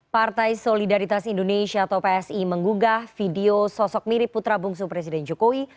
partai solidaritas indonesia atau psi menggugah video sosok mirip putra bungsu presiden jokowi